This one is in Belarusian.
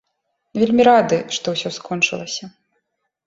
Вельмі рады, што ўсё скончылася.